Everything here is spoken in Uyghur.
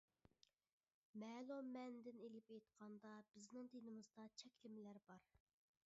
مەلۇم مەنىدىن ئېلىپ ئېيتقاندا، بىزنىڭ دىنىمىزدا چەكلىمىلەر بار.